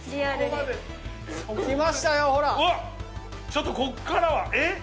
ちょっとこっからはえっ？